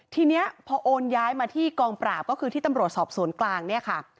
ทีนี้พอโอนย้ายมาที่กองปราบก็คือที่ตำรวจสอบสวนกลางเนี่ยค่ะ